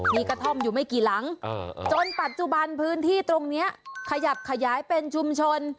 มีกระท่อมอยู่ไม่กี่หลังจนปัจจุบันพื้นที่ตรงนี้ขยับขยายเป็นชุมชน